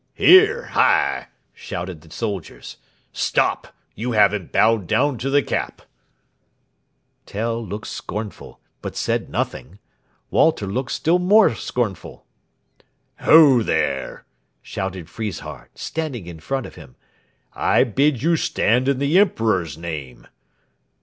"Here! hi!" shouted the soldiers. "Stop! You haven't bowed down to the cap." [Illustration: PLATE IV] Tell looked scornful, but said nothing. Walter looked still more scornful. "Ho, there!" shouted Friesshardt, standing in front of him. "I bid you stand in the Emperor's name."